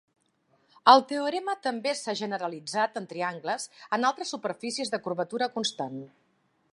El teorema també s'ha generalitzat en triangles en altres superfícies de curvatura constant.